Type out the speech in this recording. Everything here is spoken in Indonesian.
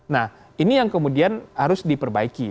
nah ini yang kemudian harus diperbaiki